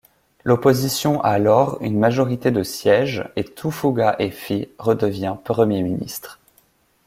L'opposition a lors une majorité de sièges, et Tufuga Efi redevient premier ministre.